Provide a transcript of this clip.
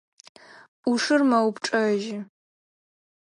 Ӏушыр мэупчӏэжьы.